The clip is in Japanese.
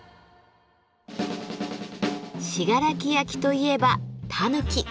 信楽焼といえばたぬき。